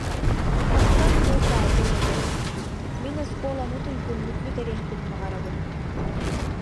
Оттон бу Катя үлэтэ: «Мин оскуоланы туйгуннук бүтэриэхпин баҕарабын